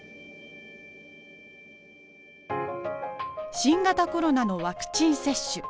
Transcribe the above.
新型コロナのワクチン接種。